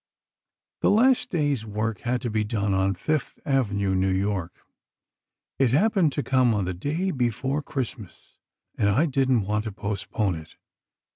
"The last day's work had to be done on Fifth Avenue, New York. It happened to come on the day before Christmas, and I didn't want to postpone it.